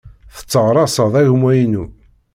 Tetteɣraṣeḍ agma-inu.